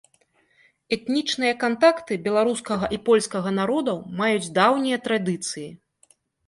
Этнічныя кантакты беларускага і польскага народаў маюць даўнія традыцыі.